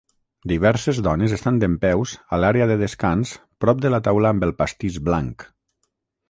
Diverses dones estan dempeus a l'àrea de descans prop de la taula amb el pastís blanc.